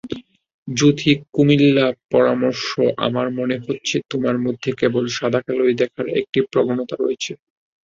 যুঁথী, কুমিল্লাপরামর্শআমার মনে হচ্ছে, তোমার মধ্যে কেবল সাদাকালোয় দেখার একটি প্রবণতা রয়েছে।